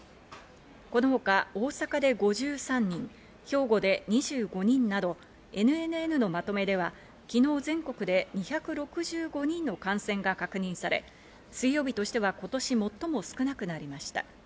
このほか大阪で５３人、兵庫で２５人などＮＮＮのまとめでは昨日全国で２６５人の感染が確認され、水曜日としては今年最も少なくなりました。